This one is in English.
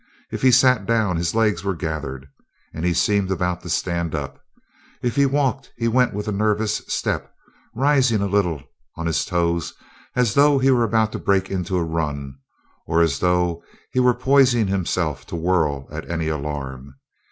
If he sat down his legs were gathered, and he seemed about to stand up. If he walked he went with a nervous step, rising a little on his toes as though he were about to break into a run or as though he were poising himself to whirl at any alarm.